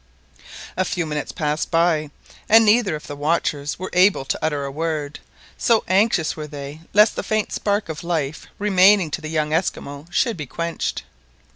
A few minutes passed by, and neither of the watchers were able to utter a word, so anxious were they lest the faint spark of life remaining to the young Esquimaux should be quenched.